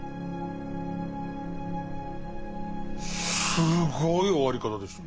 すごい終わり方でした。